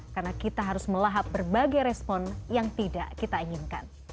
karena kita harus melahap berbagai respon yang tidak kita inginkan